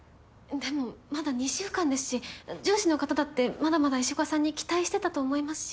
でもまだ２週間ですし上司の方だってまだまだ石岡さんに期待してたと思いますし。